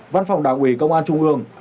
văn phòng đảng ủy công an trung ương